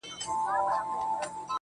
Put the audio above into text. جوړ يمه گودر يم ماځيگر تر ملا تړلى يم,